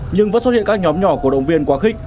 nhưng vẫn xuất hiện các nhóm nhỏ cổ động viên quá khích